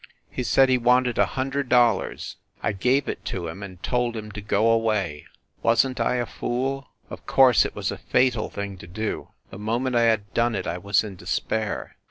He said he wanted a hundred dollars. ... I gave it to him and told him to go away. Wasn t I a fool ? Of course it was a fatal thing to do. ... The moment I had done it I was in despair.